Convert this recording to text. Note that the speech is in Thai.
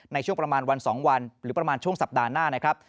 ในช่วงประมาณวัน๒วันหรือประมาณช่วงสัปดาห์หน้านะครับ